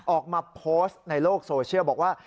ออกมาโพสต์ในโลกโซเชียลบอกว่า